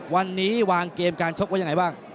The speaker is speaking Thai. วันนี้วางเกมการชกไว้ยังไงบ้าง